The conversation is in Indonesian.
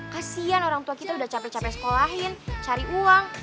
kasian orang tua kita udah capek capek sekolahin cari uang